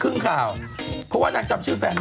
เพราะว่าน่ากจำชื่อแฟน